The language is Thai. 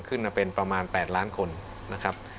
ขึ้นมาเป็นประมาณ๘ล้านคนนะครับ